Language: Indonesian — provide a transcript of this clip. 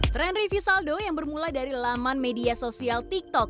tren revie saldo yang bermula dari laman media sosial tiktok